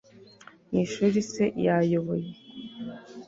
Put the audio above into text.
Mu ishuri se yayoboye